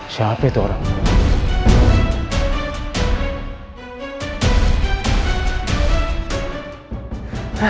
siapa itu orangnya